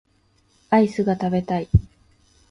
アイスが食べたい